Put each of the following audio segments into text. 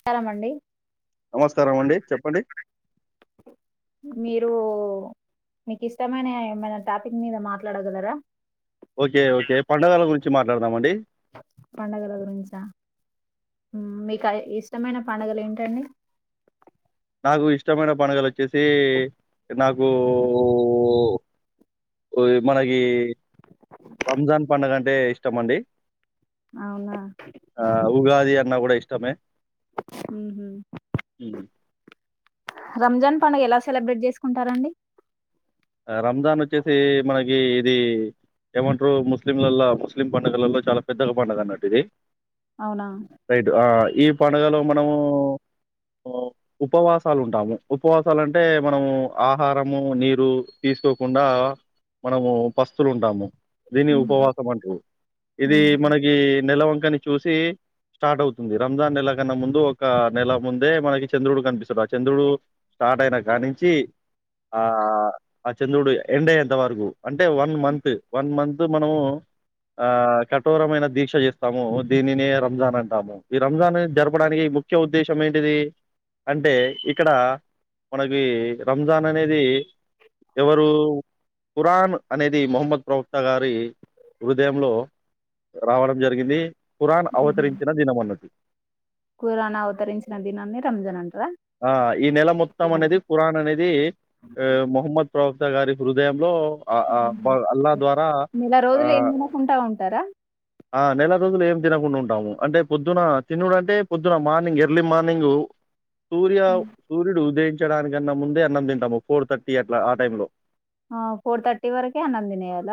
స్కారమండి నమస్కారం అండి చెప్పండి మీరు మీకు ఇష్టమైన ఏమైనా టాపిక్ మీద మాట్లాడగలరా ఓకే ఓకే పండగల గురించి మా దామండి పండగల గురించా మీకు ఇష్టమైన పండగలు ఏంటండి నాకు ఇష్టమైన పండుగలు వచ్చేసి నాకు మనకి రంజాన్ పండగ అంటే ఇష్టమండి అవునా ఆ ఉగాది అన్న కూడ ఇ ఇష్టమే హ్మ్. రంజాన్ పండగ ఎలా సెలబ్రేట్ చేసుకుంటారండి రంజాన్ వచ్చేసి మనకి ఇది ఏమంటారు ముస్లింలలో ముస్లిం పండుగలలో చాలా పెద్దగా పండుగ అన్నట్టు ఇది అవునా అఐదు ఆ ఈ పండుగలో మనము ఉపవాసాలు ఉంటాము ఉపవాసాలుంటే మనము ఆహారము నీరు తీసుకోకుండా మనము పస్తులు ఉంటాము దీని ఉహు ఉపవాసం అంటారు ఇది మనకి నెలవంక కని చూసి స్టార్ట్ అవుతుంది రంజాన్ నెల కన్నా ముందు ఒక నెల ముందే మనకి చంద్రుడు కనిపిస్తుడు ఆ చంద్రుడు స్టార్ట్ అయిన కా నుంచి ఆ ఆ చంద్రుడు ఎండ్ అయ్యేంత వరకు అంటే వన్ మంత్ వన్ మంత్ మనము ఆ కఠోరమైన దీక్ష చేస్తాము దీనినే రంజాన్ అంటాము ఈ రంజాన్ జరపడానికి ముఖ్య ఉద్దేశం ఏంటిది అంటే ఇక్కడ మనకి రంజాన్ అనేది ఎవరు ఖురాన్ అనేది మొహమ్మద్ ప్రవక్త గారి హృదయంలో రావడం జరిగింది ఖరాన్ అవతరించిన దినం అన్నది ఖురాన్ అవతరించిన దినాన్ని రంజాన్ అంటారా ఆ ఈ నెల మొత్తం ఓకేనండి. అనేది ఖురాన్ అనేది ఆ మొహమ్మద్ ప్రభక్త గారి హృదయంలో ఆహ్, ఆహ్, బ అల్లా ద్వారా నెల రోజులు ఎం ఆహ్, తినకుండా ఉంటారా ఆ నెల రోజులు ఏం తినకుండా ఉంటాము అంటే పొద్దున తినుడు అంటే పొద్దున మార్నింగ్ ఎర్లీ మార్నింగ్ సూర్య సూర్యుడు ఉదయం డానికన్నా ముందే అన్నం తింటాము ఫోర్ థర్టీ అ ఆ టైమ్ లో ఫోర్ థర్టీ వరకే అన్నం తినేయాల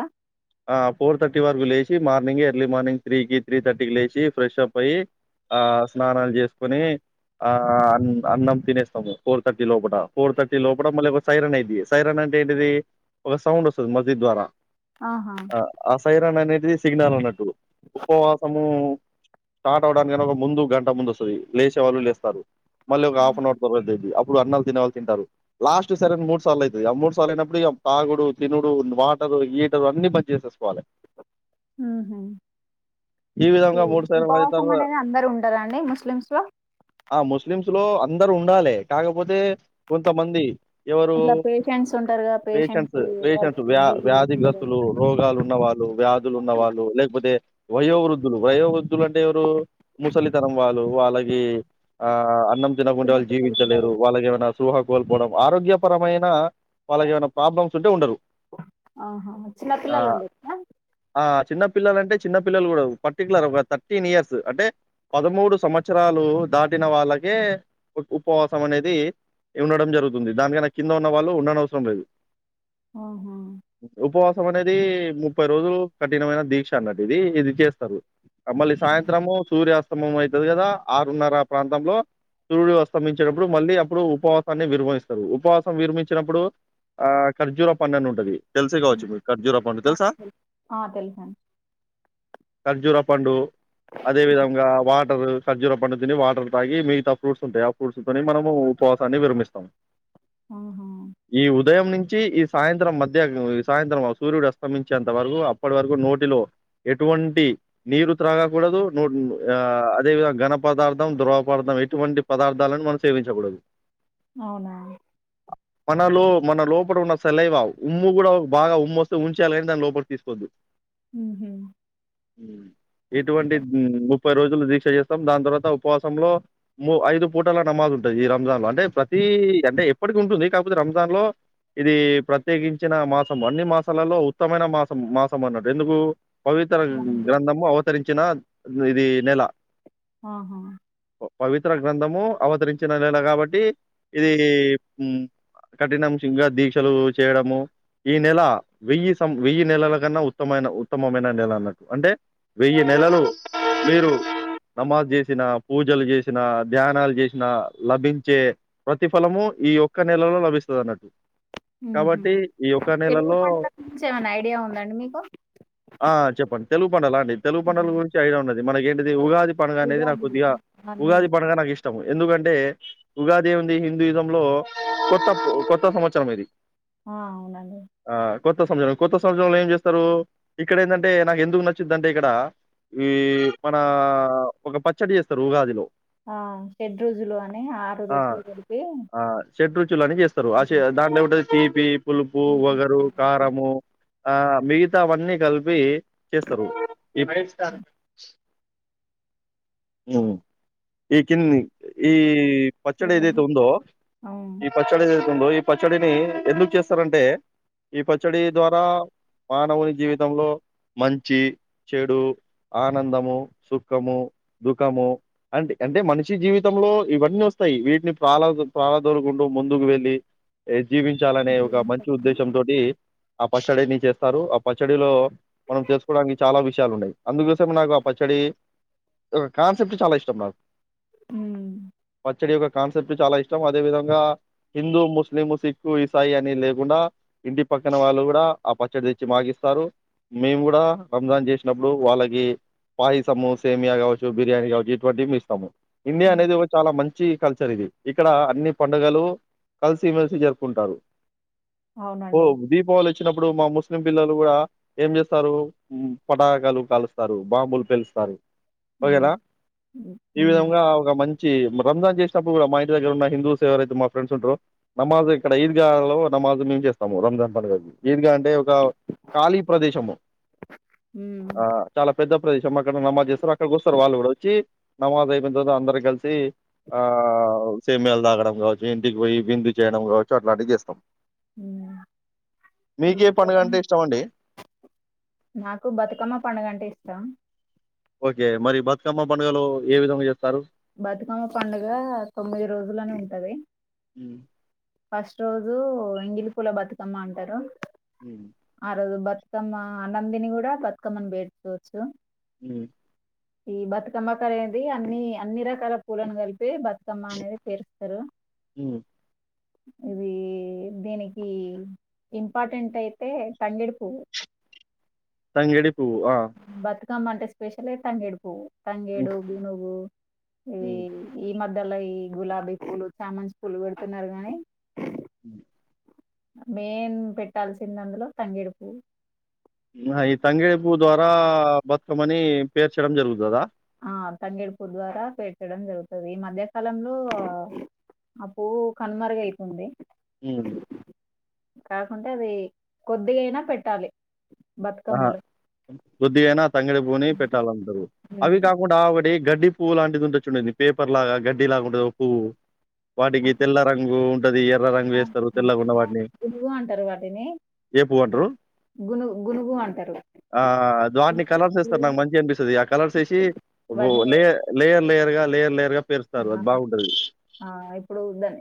ఫోర్ థర్టీ వరకు లేచి మార్నింగ ఎర్లీ మార్నింగ్ త్రీకి త్రీ థర్టీకి లేచి ఫ్రెష్ అప్ అయ్యి స్నానాలు చేసుకుని అ అన్నం తినేస్తాము ఫోర్ థర్టీ లోపల ఫోర్ థర్టీ లోపల మళ్ళీ ఒక సైరన్ అది తీస్తాం సైరన్ అంటే ఏంటిది ఒక సౌండ్ వస్తుంది మసీదు ద్వారా ఆహా ఆ ఆసైరా ననే ది సిగ్ల్ అన్నట్టు ఉపవాసము స్టార్ట్ అవ్వడానిక ఒక ముందు గంట ముందు వస్తుంది లేసేవాళ్ళు లేస్తారు మళ్ళ ఒక హాఫ్ అన్ అవర్ తరతది అప్పుడు అన్నలు తినేవాలు తింటారు లాస్ట్ సరండ్ మూడు సార్లు అయింది మూడు సార్లు అయినప్పుడు తాగుడు తినుడు వాటరు హీటరు అన్ని పని చేసేసుకోవాలి హూ హు ఈ విధంగా మూడు సార్లు ఉపవాసం అవుతారు అనేది అందరు ఉండారా అండి ముస్లిమ్స్ లో థీలో అందరు ఉండాలి కాకపోతే కొంతమంది ఎవరు ఇట్లా పేషెంట్స్ ఉంటారుగా పేషెంట్స్ వర్క్ పేషెంట్స్ వ్యా డ్యూటీల పిల్లగాళ్ళు వ్యాధిగ్రస్తులు రోగాలు ఉన్నవాళ్ళు వ్యాధులు ఉన్న వాళ్ళు లేకపోతే వయో వృద్ధులు వయో వృద్ధులు అంటే ఎవరు ముసలితనం వాళ్ళు వాళ్ళగి ఆ అన్నం తినకుండా చిన్న వాళ్ళు పిల్లలు ఉంటారు జీవించలేరు వాళ్ళకి ఏమైనా శుహకోల్పోనం ఆరోగ్యపరమైన వాళ్ళకి ఏమైనా ప్రాబ్లమ్స్ ఉంటే ఉండరు ఆహా ఆ! చిన్నపిల్లలు ఉండే నా ఆ! చిన్న పిల్లలు అంటే చిన్న పిల్లలు కూడా పర్టికులర్ ఒక థర్టీన్ ఇయర్స్ అంటే పదమూడు సంవత్సరాలు దాటిన వాళ్ళకే ఉపవాసం అనేది ఉండడం జరుగుతుంది దానికైనా కింద ఉన్న వాళ్ళు ఉండ అవసరం లేదు ఆహా ఉపవాసం అనేది ముప్పై రోజులు కఠినమైన దీక్ష అన్నట్టు ఇది ఇది చేస్తారు మళ్ళీ సాయంత్రము సూర్యాస్తమం అవుతుది కదా ఆరున్నర ప్రాంతంలో సూర్యుడు అస్తమించినప్పుడు మళ్ళీ అప్పుడు ఉపవాసాన్ని విరమమిస్తారు ఉపవాసం విరమించినప్పుడు ఆ ఖర్జూర పండు అని ఉంటది తెలుసే కావచ్చు మీకు ఖర్జూరా పండు తెలుసా ఆ తెలుసండి ఖర్జూరా పండు అదే విధంగా వాటరు ఖజ్జుర పండు తిని వాటర్ తాగి మిగతా ఫ్రూట్స్ ఉంటాయి ఆ ఫ్రూట్స్తోని మనము ఉపవాసాన్ని విరమిస్తాము ఆహా ఈ ఉదయం నుంచి ఈ సాయంత్రం మధ్య ఈ సాయంత్రం సూర్యుడు అస్తమించేంత వరకు అప్పటి వరకు నోటిలో ఎటువంటి నీరు త్రాగకూడదు నోటి ఆ అదేవిధంగా ఘన పదార్థం ద్రవ పదార్థం ఎటువంటి పదార్థాలని మనం సేవించకూడదు అవునా మనలో మన లో లోపలట ఉన్న సలైవా ఉమ్ము కూడా బాగా ఉమ్ము వస్తే ఉంచయాలిని దాని లోపల తీసుకోవద్దు ఉహు ఇటువంటి ము ముప్పై రోజులు దీక్ష చేస్తాం దాని తర్వాత ఉపవాసంలో ము ఐదు పూటాల నమాజ్ ఉంటుది ఈ రంజాన్ లో అంటే ప్రతి అంటే ఎప్పటికి ఉంటుంది కాకపోతే రంజాన్ లో ఇది ప్రత్యేకించిన మాసం అన్ని మాసాలలో ఉత్తమైన మాసం మాసం అన్నట్టు ఎందుకు పవిత్ర గ్రంథము అత్ విస్తరించిన ఇది నెల ఆహా పవిత్ర గ్రంథము అవతరించిన నెల కాబట్టి ఇది హూ కఠినంశంగా దీక్షలు చేయడము ఈ నెల వెయ్యి స వెయ్యి నెలల కన్నా ఉత్తమైన ఉత్తమమైన నెల అన్నట్టు అంటే వెయ్యి నెలలు మీరు నమాజ్ చేసిన పూజలు చేసిన ధ్యానాలు చేసిన లభించే ప్రతిఫలము ఈ యొక్క నెలలో లభిస్తుంది అన్నట్టు హు హు కాబట్టి ఈ ఒక్క తెలుగు నెలలో పండుగల గురించి ఏమైనా ఐడియా ఉందండి మీకు పండల అడి తెలుగు పండల గురించి ఐడియా ఉన్నది మన కేంటిది ఉగాది పండగా అనేది నాకు ఉగాది కొద్దిగా ఆ నేనే ఉగాది పండగా నాకు ఇష్టం ఇష్టం ఎందుకంటే ఉగాది ఉంది హిందూఇజం లో కొత్త కొత్త సంవత్సరం ఇది ఆ అవునండి ఆ! కొత్త సంవత్దరంలో కొత్త సంవత్సరంలో ఏం చేస్తారు ఇక్కడ ఏంటంటే నాకు ఎందుకు నచ్చిందంటే ఇక్కడ ఈ మన ఒక పచ్చడి చేస్తారు ఉగాదిలో ఆ షెడ్ రోజులు అని ఆరు రోజులు కలిపి షట్ రుచుల్ అని చేస్తారు అ దాట్లో పిపి పులుపు వగరు కారము ఆ మిగతా అవన్నీ కలిపి వి చేస్తారు ఈ కింది ఈ పచ్చడి ఇదైతే ఇవన్నీ ఉందో అవును ఈ పచ్చళ ందో ఈ పచ్చడిని ఎందుకు చేస్తారంటే ఈ పచ్చడి ద్వారా మానవుని జీవితంలో మంచి చెడు ఆనందము సుఖము దుఃఖము అంటే అంటే మనిషి జీవితంలో ఇవన్నీ వస్తాయి వీటిని ప్రాలా ప్రాళదొరుకుంటు ముందుకు వెళ్లి ఏ జీవించాలనే ఒక మంచి ఉద్దేశం తోటి ఆ పచ్చడిని చేస్తారు ఆ పచ్చడిలో మనం చేసుకోవడానికి చాలా విషయాలు ఉన్నాయి అందుకోసం నాకు ఆ పచ్చడి కాన్సెప్ట్ చాలా ఇష్టం నాకు హ్మ్ పచ్చడి యొక్క కాసెప్ట్ చాలా ఇ ఇష్టం అదే విధంగా హిందూ ముస్లిం సిక్ ఇసాయి అని లేకుండా ఇంటి పక్కన వాళ్ళు కూడా ఆ పచ్చడి తెచ్చి మాకిస్తారు మేము కూడా రంజాన్ చేసినప్పుడు వాళ్ళకి పాయసము సేమియా కావచ్చు బిర్యానీ కావచ్చు ఇటువంటివి ఇస్తాము ఇండియా అనేది ఒక చాలా మం చి కల్చర్ ఇది ఇక్కడ అన్ని పండుగలు కలిసిమెల్సి జరుపుకుంటారు ఓ అవునండి దీపావళి వచ్చినప్పుడు మా ముస్లిం పిల్లలు కూడా ఏం చేస్తారు పటాకాలు కాలుస్తారు బాంబులు పెలుస్తారు ఉమ్ ఓకేనా ఈ ఉమ్ విధంగా ఒక మం చి రంజాన్ చేసినప్పుడు కూడా మయి ఇంటి దగ్గర ఉన్న హిందూస్ ఎవరైతే మా ఫ్రెండ్స్ ఉంటారో నమాజ్ ఇక్కడ ఈద్గాలో నమాజ మేం చేస్తాము రంజాన్ పండుగకు ఈద్గాం అంటే ఒక ఖాళీ ప్రదేశము ఉమ్ ఆ చాలా పెద్ద ప్రదేశం అక్కడ నమాజ్ చేస్తారు అక్కడికోస్తారు వాళ్ళు కూడా వచ్చి నమాజ్ అయిపోన తరువాత అందరు కలిసి ఆ సేమియాలు తాగడం కావచ్చు ఇంటికి పోయి విందు చేయడం కావచ్చు అట్లాంటివి చేస్తాం హ్మ్ మీకే పండుగ అంటే ఇష్టం అండి నాకు బతుకమ్మ పండుగంటే ఇష్టం ఓకే మరి బతుకమ్మ పండుగలు ఏ విధంగా చేస్తారు బతుకమ్మ పండుగ తొమ్మిది రోజులని ఉంటది హ్మ్ ఫస్ట్ రోజు ఎంగిలి పూల బతుకమ్మ అంటారు మ్మ్. ఆ రోజు బత్ బతుకమ్మ ఆనందిని కూడా బతుకమ్మని బేర్చుకోవొచ్చు హ్మ్ ఈ బతుకమ్మ కానేది అన్ని అన్ని రకాల పూలను కలిపి బతుకమ్మ అనేది పేరుస్తరు ఉమ్ ఇది దీనికి ఇంపార్టెంట్ అయితే తంగేడు పువ్వు తంగేడి పువ్వు బతుక్కమ్మాంటే స్పెషలే తంగేడి పువ్వు మ్మ్. తంగేడు గునుగు ఈ మధ్యల ఈ గులాబీ పూలు చామజ్ పూలు పెడుతున్నారు గానీ ఉ మెయిన్ పెట్టాల్సింది అందులో తంగేడ్ పువ్వు ఈ తంగేడి పువ్ ద్వారా బతుకమ్మని పేర్చడం జరుగుతదా ఆ తంగేడి పువ్వు ద్వారా పెట్టడం జరుగుతుంది ఈ మధ్యకాలంలో ఆ పువ్వు కనుమరుగయితుంది హ్మ్ కాకుంటే అది కొద్దిగా అయినా పెట్టాలి ఆ బతుకమ్మలు కొ ద్దిగైన తంగడి పోని పెట్టాలంటారు అవి ఉమ్. కాకుండా వాడే గడ్డి పువ్వు లాంటిది ఉంటది చూడండి పేపర్ లాగా ఉంటది ఒక పువ్వు వాటికి తెల్ల రంగు ఉంటది ఎర్ర రంగు వేస్తారు తెల్లగున్న వాటిని గునుగు అంటారు వాటిని ఏ పువ్వు అంటారు గును గునుగు అంటారు ఆ వాటిని కలర్స్ వేస్తారు నాకు మంచిగ అనిపిస్తుంది ఆ కలర్స్ వేసి వాటిని లే లేయర్ లేయర్ గా లేయర్ లేయర్గా ఆ ఆ ఇప్పుడు వద్దని